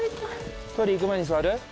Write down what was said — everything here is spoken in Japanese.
トイレ行く前に座る？